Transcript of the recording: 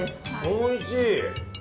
おいしい！